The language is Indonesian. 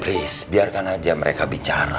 risk biarkan aja mereka bicara